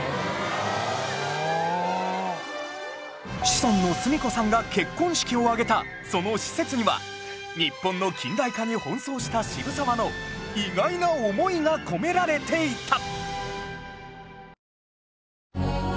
シソンの純子さんが結婚式を挙げたその施設には日本の近代化に奔走した渋沢の意外な思いが込められていた